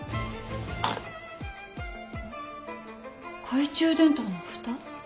懐中電灯のふた？